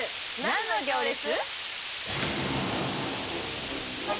何の行列？